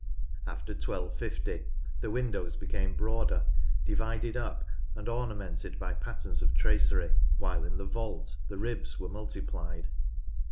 After 1 250 the windows became broader, divided up, and ornamented by patterns of tracery, while in the vault the ribs were multiplied.